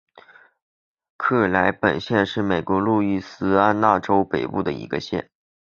克莱本县是美国路易斯安那州北部的一个县。